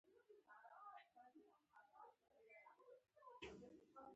هماغه د سند ایالت د عجیب ماشوم زېږېدنه ده.